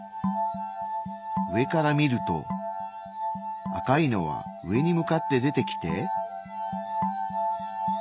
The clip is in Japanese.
上から見ると赤いのは上に向かって出てきて。